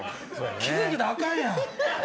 傷つけたらあかんやん。